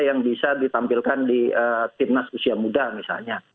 yang bisa ditampilkan di tim nasi usia muda misalnya